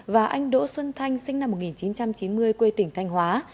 và anh đỗ xuân thanh sinh năm một nghìn chín trăm chín mươi quê tỉnh thanh hóa